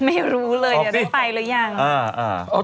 ไม่รู้เลยไปหรือยัง